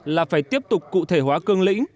là phải tiếp tục cụ thể hóa cương lĩnh